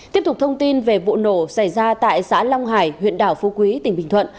tiếp tục thông tin về vụ nổ xảy ra tại xã long hải huyện đảo phú quý tỉnh bình thuận